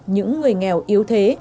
những người nghèo yếu thế